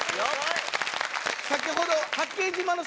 先ほど。